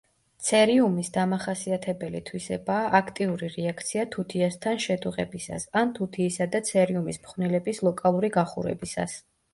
ცერიუმის დამახასიათებელი თვისებაა აქტიური რეაქცია თუთიასთან შედუღებისას ან თუთიისა და ცერიუმის ფხვნილების ლოკალური გახურებისას.